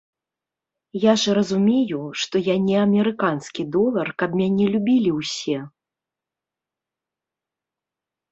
Я ж разумею, што я не амерыканскі долар, каб мяне любілі ўсе!